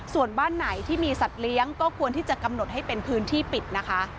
ส่วนบ้านไหนที่มีสัตว์เลี้ยงก็ควรที่จะกำหนดให้เป็นพื้นที่ปิดนะคะ